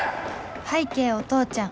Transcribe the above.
拝啓お父ちゃん